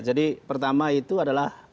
jadi pertama itu adalah begitu personal